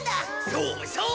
そうそう！